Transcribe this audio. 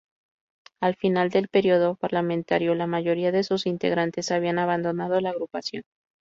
Al final del período parlamentario la mayoría de sus integrantes habían abandonado la agrupación.